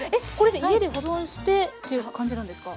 家で保存してっていう感じなんですか？